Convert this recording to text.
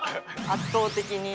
圧倒的に。